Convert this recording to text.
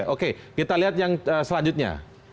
oke kita lihat yang selanjutnya